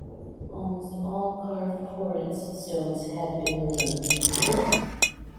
Almost all carved porites stones had been removed.